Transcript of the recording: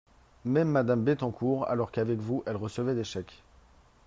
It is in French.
Même Madame Bettencourt, alors qu’avec vous, elle recevait des chèques